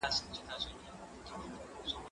زه هره ورځ مېوې وچوم